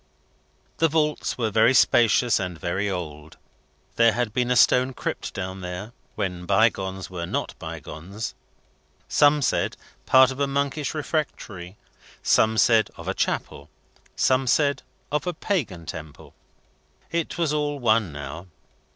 The vaults were very spacious, and very old. There had been a stone crypt down there, when bygones were not bygones; some said, part of a monkish refectory; some said, of a chapel; some said, of a Pagan temple. It was all one now.